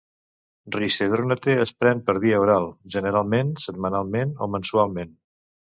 Risedronate es pren per via oral, generalment setmanalment o mensualment.